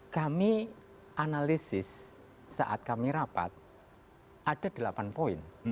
kami analisis saat kami rapat ada delapan poin